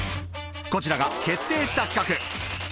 こちらが決定した企画！